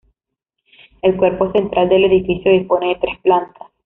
El cuerpo central del edificio dispone de tres plantas.